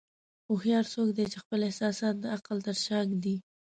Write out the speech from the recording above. هوښیار څوک دی چې خپل احساسات د عقل تر شا ږدي.